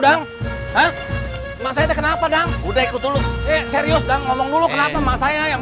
dang hah masa itu kenapa dang udah ikut dulu serius dan ngomong dulu kenapa masanya yang